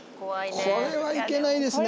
これは行けないですね。